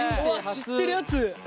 知ってるやつ！